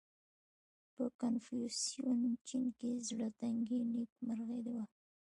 • په کنفوسیوسي چین کې زړهتنګي نېکمرغي وه.